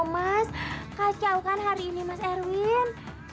mas kacau kan hari ini mas erwin